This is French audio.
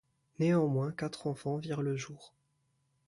Néanmoins, quatre enfants virent le jour.